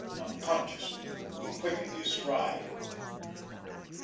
Unconsciously he quickened his stride.